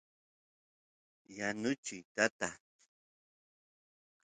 yanuchiy tata